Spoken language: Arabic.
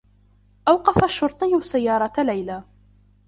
أوقف الشّرطي سيّارة ليلى.